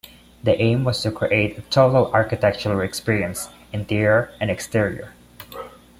The aim was to create a total architectural experience, interior and exterior.